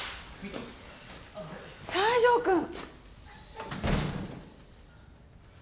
西条くん！